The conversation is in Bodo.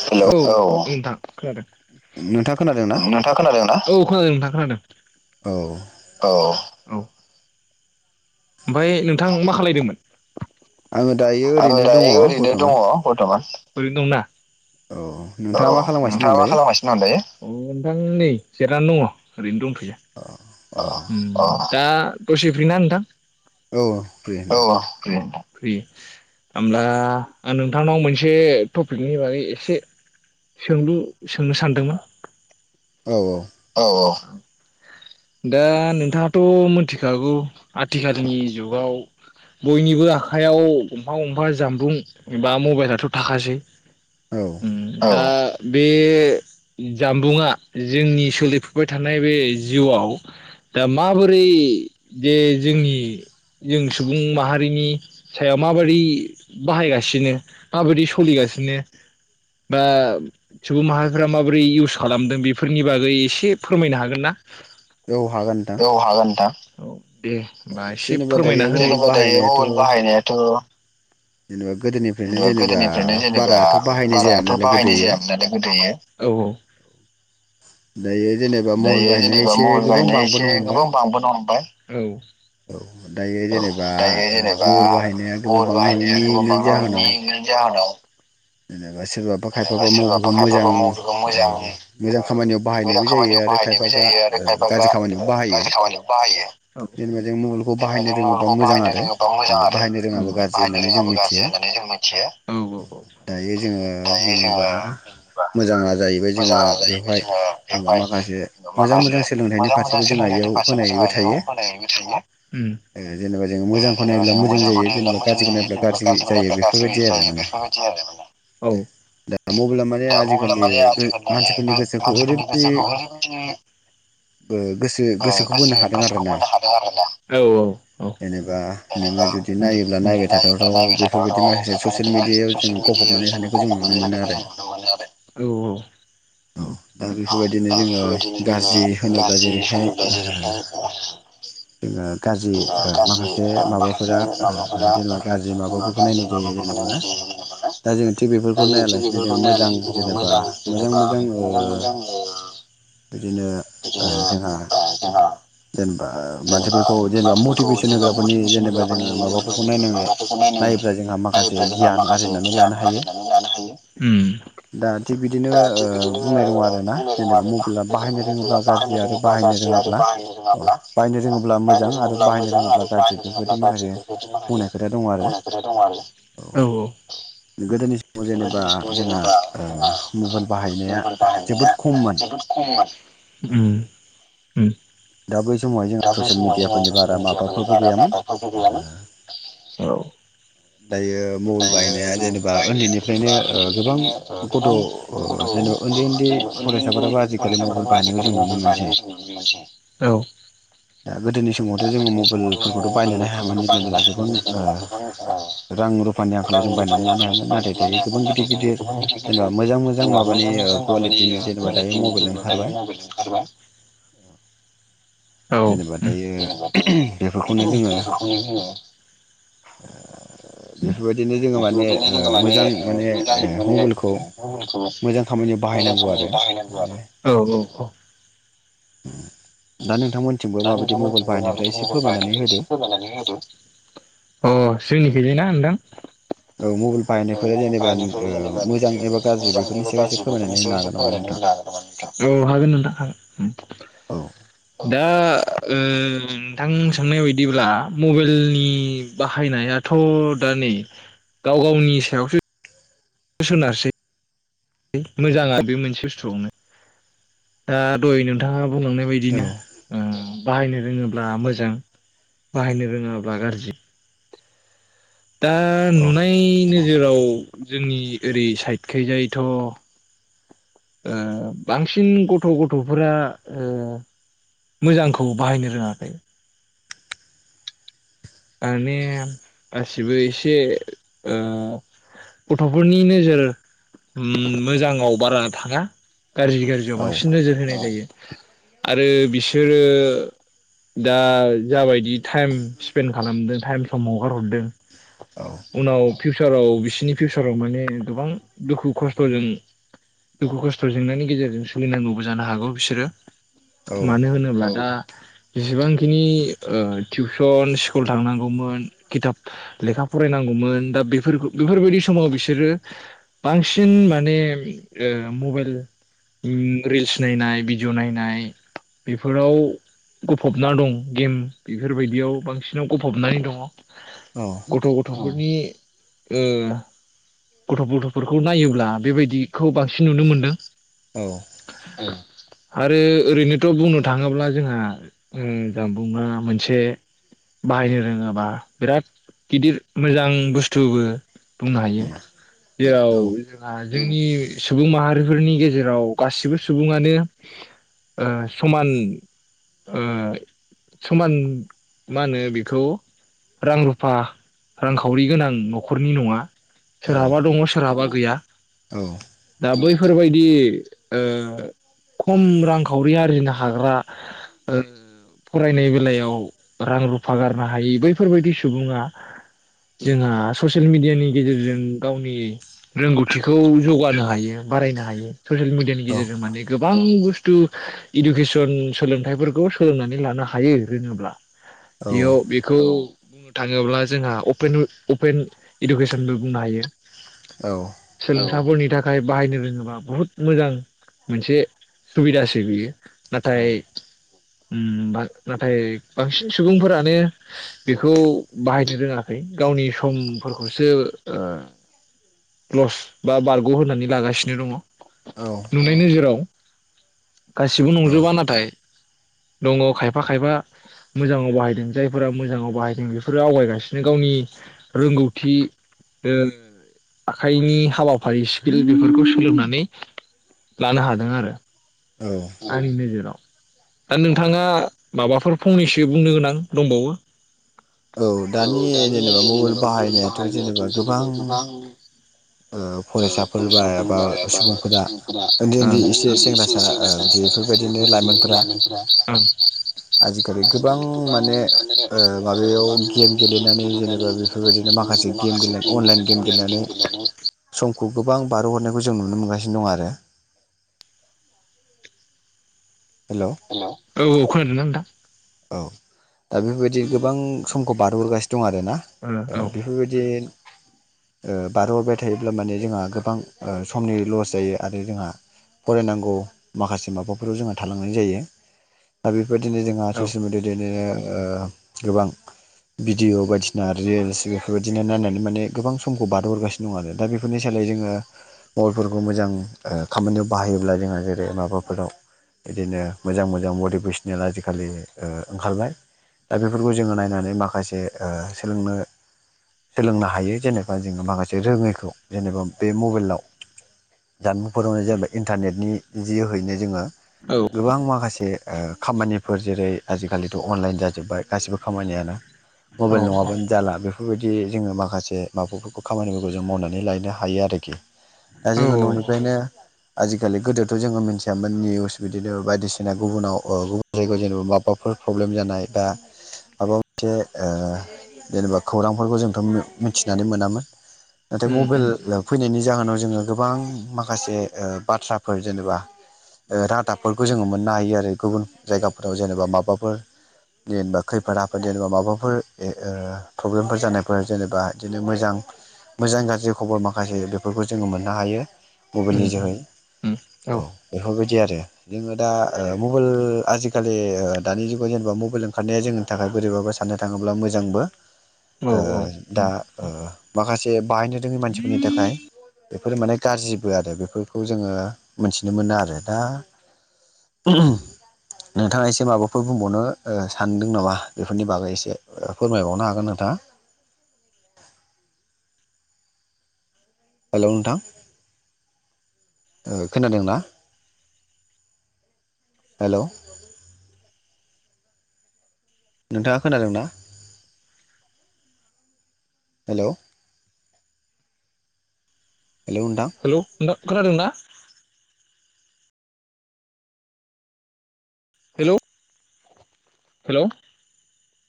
हेल' औ नोंथां। खोनादों। नोंथाङा खोनादोंना नोंथाङां खोनादों ना? खोनादों नोंथां खोनादों। औ। औ। ओमफ्राय नोंथां मा खालायदोंमोन? आङो दायो आं ओरैनो दङ दायो ओरैनो दङ बर्थमान बरथ'मान। ओरैनो दंना? औ औ नोंथाङा मा खालामगासिनो नोंथाङा दं मा दायो खालामगासिनो दं दायो, औ नोंथां नै जिरायनानै दङ ओरैनो दंथ'। औ अ उम अ। दा दसे फ्रि ना नोंथां? औ फ्रि औ होनदों। फ्रि नोंथां फ्रि, होनब्ला आं नोंथांनाव मोनसे टपिकनि बागै एसे सोंलु सोंनो सानदोंमोन। औ औ। दा नोंथाङाथ' मोनथिखागौ आथिखालनि जुगाव बयनिबो आखायाव गंफा गंफा जानबुं एबा मबाइलाथ' थाखासै। औ ओम दा बे जानबुंङा जोंनि सोलिफुबाय थानाय बे जिउआव दा माबोरै जे जोंनि जों सुबुं माहारिनि सायाव माबोरै बाहायगासिनो माबोरै सलिगासिनो। बा सुबुं माहारिफ्रा माबोरै इउस खालामदों बेफोरनि बागै एसे फोरमायनो हागोन ना? औ हागोन नोंथां औ हागोन नोंथां। औ। दे होनबा एसे जेनेबा दायो फोरमायना होदो। मबाइल जेनेबा दायो बाहायनायाथ' मबाइल बाहायनायाथ' जेनेबा गोदोनिफ्रायनो जेनेबा गोदोनिफ्रायनो जेनेबा बाराथ' बाहायनाय जायामोन बाराथ' नालाय बाहायनाय गोदोयो जायामोन नालाय गोदोयो औ औ दायो जेनेबा मबाइल बाहायनाय जेनेबा एसे मबाइल गोबां बायनाया एसे बांबोनो हमबाय गोबां बांबोनो हमबाय। दायो औ जेनेबा दायो ओ जेनेबा मबाइल बाहायनाया गोबां मबाइल बांनो बाहायनाया गोबां हमनायनि बांनो जाहोनाव हमनायनि जाहोन होनाव जेनेबा सोरबाबा खायफाबा मबेलखौ मोजां खायफाबा मबाइलखौ ओ मोजां मोजां खामानियाव मोजां बाहायनायबो जायो खामानियाव आरो बाहायनायबो खायफाबा जायो आरो ओ खायफाबा गाज्रि खामानियाव ओ बाहायो गाज्रि खामानियावबो बाहायो। जेनेबा जों मबेलखौ जेनेबा बाहायनो जों रोङोबा मबाइलखौ मोजां बाहायनो आरो रोङोबा मोजां आरो बाहायनो रोङाबा गाज्रि बाहायनो होननानै जों रोङाबा गाज्रि मिथियो होननानै जों मिथियो दायो जोङो दायो जोङो बुङोबा जेनेबा मोजाङा जाहैबाय जोङो मोजां जाहैबाय बेवहाय जोङो जोङो बेवहाय माखासे मोजां माखासे मोजां फारसेबो जोंहा इयाव होनायबो थायो। मा होनो मिथिगौ ओम ओ जेनेबा जोङो ओ‌ मोजांखौ जेनेबा नायोब्ला जोङो मोजां मोजांखौ जायो नायब्ला जेनेबा मोजां गाज्रिखौ जायो नायोब्ला जेनबा गाज्रि गाज्रिखौ जायो नायब्ला गाज्रिबो बेफोरबायदि आरो जायो माने बेफोरबायदि आरो औ दा मबाइला माने दा मबेला आजिखालि माने आजिखालि मानसिफोरनि गोसोखौ मानसिफोरनि गोसोखौ ओरैबायदि बो गोसो ओ गोसोखौ गोसो बोनो हादों आरो गोसोखौ ना। बोनो आरोना औ औ औ जेनेबा जुदि नायोब्ला नायबाय थाथावथाव माबा मोनसे माखासे ससियेल मिडियायाव जों गफबनानै थानायखौ जों नुनो मोनो आरो औ दा औ औ बेफोरबायदिनो जोङो दा बेफोरबायदिनो गाज्रि जोङो। होनोब्ला गाज्रि जेरैहाय होनोब्ला जेरैहाय। जोङो गाज्रि ओ गाज्रि माखासे माखासे माबाफोरा ओ माबाफोरा जेनेबा गाज्रि जोंहा माबाफोरखौ गाज्रि नायनाय जायो माबाफोरखौ जेनेबा ना नायनाय जायो नुनो मोनो दा जोङो थिग दा बेफोरखौ जों थिग नायालासिनो बेफोरखौ जोङो मोजां नायालासिनो जों जेनेबा मोजां मोजां जेनेबा मोजां ओ मोजां बिदिनो ओ बिदिनो जोंहा। जोंहा जेनेबा ओ मानसिफोरखौ। जेनेबा मानथिफोरखौ मटिभेसन जेनेबा होग्राफोरनि मटिभेसन जेनेबा होग्राफोरनि जोङो जेनेबा माबाफोरखौ जोङो नायनाङो माबाफोरखौ नायनो नायोब्ला जोंहा माखासे नायोब्ला जोंहा गियान माखासे आरजिनानै लानो गियान हायो आरजिनानै लानो हायो ओम दा थिग बिदिनो दा ओ थिग बिदिनो बुंनाय ओ दङ आरोना बुंनाय दं जेनेबा आरो ना मबाइला जेनेबा बाहायनो रोङोब्ला मबेला बाहायनो रोङोबा गाज्रि आरो बाहायनो रोङा औ बाहायनो रोङोब्ला मोजां आरो ब्ला बाहायनो मोजां रोङाब्ला आरो गाज्रि बाहायनो‌ रोङाब्ला बेफोरबायदि गाज्रि माखासे बेफोरबायदि माखासे बुंनाय खोथा दङ आरो खोथा दङ आरो औ औ गोदोनि समाव ओम जेनेबा [inaudible] जोंहा जेनेबा ओ जोंहा ओ मबाइल बाहायनाया मबेल जोबोद बाहायनाया खममोन जोबोद खममोन ओम। ओम। दा बै समावहाय जोंहा दा बै ससियेल समाव मिडियाफोरनि बारा माबाफोरबो गैयामोन जो। दायो मबाइल बाहायनाया जेनेबा ओन्दैनिफ्रायनो जेनेबा ओ गोबां उन्दैनिफ्रायनो गथ'ओ गोबां जेनेबा उन्दै गथ' उन्दै जेनेबा उन्दै फरायसाफोराबो आजिखालि मबाइल फरायसाफोराबो बाहायनायखौ आजिखालि जों नुनो मबाइल मोनसै बायनायखौ जों नुनो मोनसै औ दा गोदोनि समावथ' दा जोङो गोदोनि समावथ' जों मबाइलफोरखौथ' बायलायनो हायामोन मबाइलफोरखौथ' बायनोनो जेनेब्ला गोबां हायामोन ओ जेनेबा गोबां रां रुफानि रां आंखालाव जों रुफानि बायनानै लानो आंखालाव जों हायामोन बायनानै नाथाय लानो दायो हायामोन गोबां नाथाय गिदिर दायो गिदिर गोबां गिदिर जेनेबा मोजां मोजां जेनेबा माबानि ओ मोजां माबानि कुवालिटिनि जेनेबा दायो कुवालिटिनि मबाइल जेनेबा दायो ओंखारबाय। मबाइल ओंखारबाय औ जेनेबा दायो जेनेबा दायो बेफोरखौनो जोङो ओ जोङो बेफोरबायदिनो जोङो ओ माने बेफोरबायदिनो जोङो माने मोजां माने मोजां ओ माने मबाइलखौ मबाइलखौ मोजां खामानियाव मोजां बाहायनांगौ खामानियाव आरो बाहायनांगौ आरो माने। औ औ औ [unintelligible] नोंथांमोनथिंबो दा माबायदि नोंथां मबाइल मोननिथिंबो बाहायनायफ्रा माबादि एसे मबाइल अ फोरमायनानै होदो जोंनि। बिदिना नोंथां। मबाइल औ बाहायनायफोरा मबेल जेनेबा बाहायनायखौ ओ जेनेबा मोजां एबा ओ गाज्रि मोजां बेफोरनि एबा सायाव एसे गाज्रि बेफोरनि फोरमायनानै होनो सायाव इसे हागोन नामा नोंथां फोरमायना होनो हागोन नामा नोंथां औ हागोन नोंथां औ हागोन। दा ओ नोंथां सोंनायाव इदिब्ला मबेलनि बाहायनायाथ' दा नै गाव गावनि सायावसो सोनारसै। मोजाङा बे मोनसे बुस्थुआवनो दा दहाय नोंथाङा बुंलांनाय औ बायदिनो ओ बाहायनो रोङो ब्ला मोजां बाहायनो रोङाब्ला गारजि। दा औ नुनाय नोजोराव। जोंनि ओरै साइदखैजायथ'ओ बांसिन गथ' गथ'फोरा ओ मोजांखौ बाहायनो रोङाखै। माने गासिबो एसे ओ गथ'फोरनि नोजोर मोजाङाव बारा थाङा। गाज्रि गाज्रियाव औ बांसिन नोजोर होनाय जायो। आरो बिसोरो दा जाबायदि थाइम। फेन्ड खालामदो थाइम समाव हगार हरदों। औ उनाव फिउसाराव बिसिनि फिउसाराव माने गोबां दुखु खस्थ'जों दुखु खस्थ' जेंनानि गेजेरजों सोलिनांगौबो जानो हागौ बिसोरो। औ मानो होनोब्ला दा जिबांखिनि ओ टिउसन कुल थांनांगौमोन खिथाब लेखा फरायनांगौमोन दा बेफोरखौ बेफोरबायदि समाव बिसोरो बांसिन माने ओ मबेल रिल्स नायनाय भिडिअ' नायनाय बेफोराव गफबना दं गेम बेफोरबायदियाव बांसिन। नाव गफबनानै दङ। औ गथ' ग। दङ' फोरनि ओ गथ' गथ'फोरखौ नायोब्ला बेबायदिखौ बांसिन नुनो मोनदों। औ। ओ आरो ओरैनोथ' बुंनो थाङोब्ला जोंहा ओ जानबुंआ मोनसे बाहायनो रोङोबा बिराद गिदिर मोजां बुस्थुबो बुंनो हायो जेराव जोंहा जोंनि सुबुं माहारिफोरनि गेजेराव गासिबो सुबुङानो ओ समान ओ समान। मा होनो बेखौ रां रुफा रांखावरि गोनां न'खरनि नङा। सोरहाबा दङ सोरहाबा गैया। औ। दा बैफोरबायदि ओ खम रांखावरि आरजिनो हाग्रा ओ फरायनाय बेलायाव रां रुफा गारनो हायि बैफोरबायदि सुबुङा जोंहा ससियेल मेडियानि गेजेरजों गावनि रोंगौथिखौ जौगानो हायो बारायनो हायो। ससियेल मिडियानि गेजेरजों माने गोब। बां बुस्थु इडुकेसन सोलोंथाइफोरखौ सोलोंनानै लानो हायो रोङोब्ला। इयाव बेखौ बुंनो थाङोब्ला जोंहा अपेन अपेन इडुकेसनबो बुंनो हायो। औ। सोलोंथाफोरनि थाखाय बाहायनो रोङोबा बुहुथ मोजां मोनसे सुबिदासो बियो नाथाय ओम बा नाथाय बांसिन सुबुंफोरानो बेखौ बाहायनो रोङाखै गावनि समफोरखौसो ओ लस बा बारग' होननानै लागासिनो दङ औ नुनाय नोजोराव गासिबो नंजोबा नाथाय दङ खायफा खायफा मोजाङाव बाहायदों जायफोरा मोजाङाव बाहायदों बेफोरो आवगायगासिनो गावनि रोंगौथि ओ आखाइनि हाबाफारि स्किल बेफोरखौ सोलोंनानै लानो हादों आरो। औ आंनि नोजोराव। दा नोंथाङा माबाफोर फंनैसो बुंनो गोनां दंबावो। औ दानि जेनेबा मबेल बाहायनायाथ' जेनेबा गोबां। ओ फरायसाफोर बा एबा सुबुंफोरा उन्दै उन्दै एसे सेंग्रासा आ। आजिखालि गोबां माने ओ माबायाव गेम गेलेनानै जेनेबा बेफोरबायदिनो माखासे गेम गेले अनलाइन गेम गेलेनानै [unintelligible] समखौ गोबां बारहोहरनायखौ जों नुनो मोनगासिनो दं आरो। हेल'। औ औ खोनादोंना नोंथां। औ दा बेफोरबायदि गोबां समखौ बारहोहरगासिनो दं आरोना औ औ बेफोरबायदि बारहोहरबाय थायोब्ला माने जोंहा गोबां समनि लस जायो आरो जोंहा फरायनांगौ माखासे माबाफोराव जोंहा थालांनाय जायो दा बेफोरबायदिनो जोंहा औ ससियेल मेडिया द बिदिनो गोबां भिडिअ बायदिसिना रिल्स बेफोरबायदिनो नायनानै माने गोबां समखौ बारहहरगासिनो दं आरो दा बेफोरनि सोलाय जोङो मबाइलफोरखौ मोजां खामानियाव बाहायोब्ला जोंहा जेरै माबाफोराव बिदिनो मोजां मोजां मटिभेसनेल आजिखालि ओ ओंखारबाय दा बेफोरखौ जोङो नायनानै माखासे ओ सोलोंनो सोलोंनो हायो जेनेबा जोङो माखासे रोङैखौ जेनेबा बे मबाइलाव जानबुंफोरावनो जेनेबा इन्टारनेटनि जोहैनो जोङो औ गोबां माखासे ओ खामानिफोर जेरै आजिखालिथ' अनलाइन जाजोबबाय गासिबो खामानियानो मबाइल औ नङाबानो जाला बेफोरबायदि जोङो माखासे माबाफोरखौ खामानिफोरखौ जों मावनानै लायनो हायो आरोखि दा औ जोङो न'निफ्रायनो आजिखालि गोदोथ' जोङो मिथियामोन निउस बिदिनो बायदिसिना गुबुनाव गुबुन जायगायाव जेनेबा माबा फोर प्रब्लेम जानाय बा माबा मोनसे जेनेबा खौरांफोरखौ जोंथ' मिथिनानै मोनामोन नाथाय उम मबाइल उम फैनायनि जाहोनाव जोङो गोबां माखासे बाथ्राफोर जेनेबा रादाबफोरखौ जोङो मोननो हायो आरो गुबुन जायगाफोराव जेनेबा माबा माबाफोर जेनेबा खैफोद आफोद जेनेबा माबाफोर ए ओ प्रब्लेमफोर जानायफोर जेनेबा बिदिनो मोजां मोजां गाज्रि खबर माखासे बेफोरखौ जोङो मोननो हायो मबाइलनि उम उम जोहै औ बेफोरबायदि आरो जोङो दा मबाइल आजिखालि ओ दानि जुगाव जेनेबा मबाइल ओंखारनाया जोंनि थाखाय बोरैबाबो साननो थाङोब्ला मोजांबो औ ओ औ दा माखासे बाहायनो रोङै मानसिफोरनि थाखाय बेफोरो माने गाज्रिबो आरो बेफोरखौ जोङो मोनथिनो मोनो आरो दा ओम नोंथाङा एसे माबा फोर बुंबावनो ओ सानदों नामा बेफोरनि बागै एसे फोरमायबावनो हागोन नोंथाङा। हेलौ नोंथां ओ खोनादों ना हेल' नोंथाङा खोनादों ना हेल' हेलौ नोंथां खोनादोंना हेलौ हेल'